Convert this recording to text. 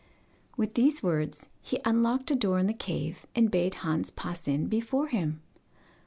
With these words he unlocked a door in the cave, and bade Hans pass in before him.